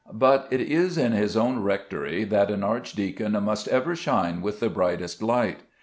But it is in his own rectory that an archdeacon must ever shine with the brightest light.